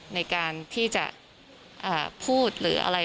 ในการที่จะพูดหรืออะไร